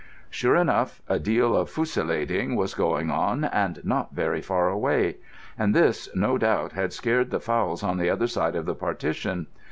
Sure enough a deal of fusillading was going on, and not very far away; and this no doubt had scared the fowls on the other side of the partition.